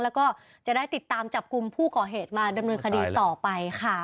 แล้วก็จะได้ติดตามจับกลุ่มผู้ก่อเหตุมาดำเนินคดีต่อไปค่ะ